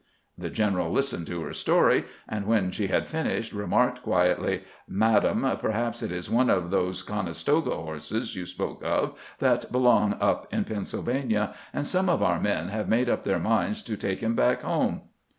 The general listened to her story, and when she had finished remarked quietly :" Madam, perhaps it is one of those Conestoga horses you spoke of that belong up in Pennsylvania, and some of our men have made up their minds to take him back home."